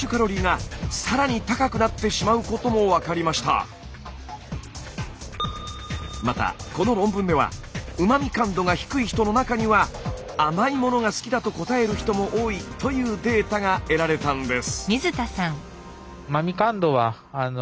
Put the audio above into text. すると１年後そのうち１５人のまたこの論文ではうま味感度が低い人の中には甘いものが好きだと答える人も多いというデータが得られたんです。